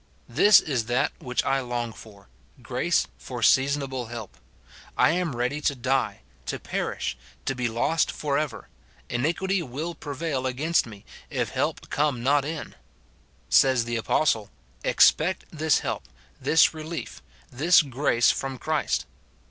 This is that which I long for, — grace for seasonable help. I am ready to die, to perish, to be lost for ever ; iniquity will prevail against me, if help come not in." Says the apostle, "Expect this help, this relief, this grace from Christ."